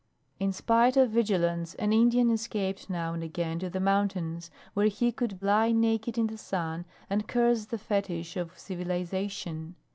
In spite of vigilance an Indian escaped now and again to the mountains, where he could lie naked in the sun and curse the fetich of civilization.